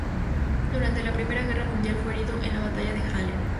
Durante la Primera Guerra Mundial fue herido en la batalla de Halen.